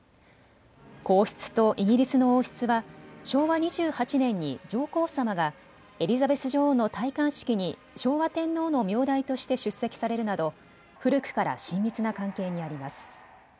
皇室とイギリスの王室は昭和２８年に上皇さまがエリザベス女王の戴冠式に昭和天皇の名代として出席されるなど古くから親密な関係にあります。